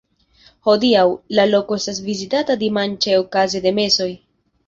Hodiaŭ, la loko estas vizitata dimanĉe okaze de mesoj.